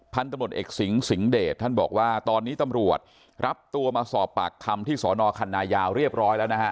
ตำรวจเอกสิงสิงห์เดชท่านบอกว่าตอนนี้ตำรวจรับตัวมาสอบปากคำที่สอนอคันนายาวเรียบร้อยแล้วนะฮะ